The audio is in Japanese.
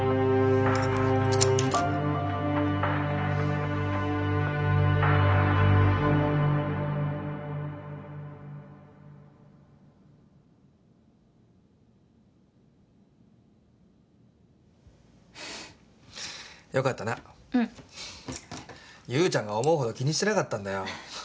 侑ちゃんが思うほど気にしてなかったんだよ。